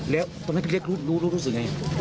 แล้วตอนที่เรียกรู้รู้สึกยังไง